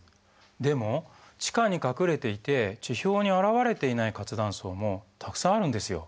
でも地下に隠れていて地表に現れていない活断層もたくさんあるんですよ。